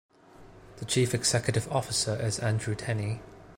The Chief Executive Officer is Andrew Tenni.